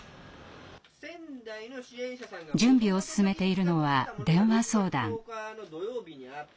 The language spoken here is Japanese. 準備を進めているのは電話相談。